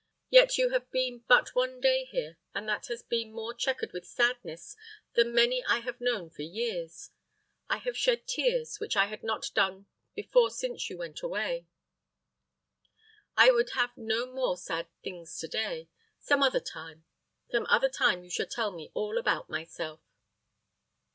Yet you have been but one day here, and that has been more checkered with sadness than many I have known for years. I have shed tears, which I have not done before since you went away. I would have no more sad things to day. Some other time some other time you shall tell me all about myself."